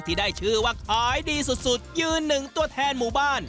ที่ได้ชื่อว่าขายดีสุดยืนหนึ่งตัวแทนหมู่บ้าน